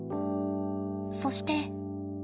そして。